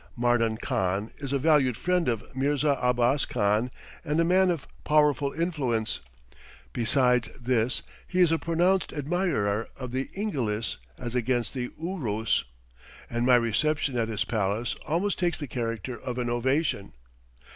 Mardan Khan is a valued friend of Mirza Abbas Khan and a man of powerful influence; besides this, he is a pronounced admirer of the Ingilis as against the Oroos, and my reception at his palace almost takes the character of an ovation.